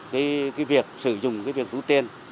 cái việc sử dụng cái việc rút tiền